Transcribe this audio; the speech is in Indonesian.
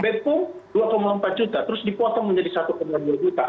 bebpung rp dua empat juta terus dipotong menjadi rp satu dua juta